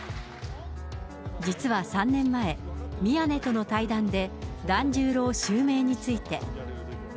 実は３年前、宮根との対談で、團十郎襲名について。